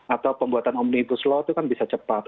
atau pembuatan omnibus law itu kan bisa cepat